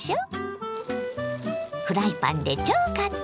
フライパンで超簡単！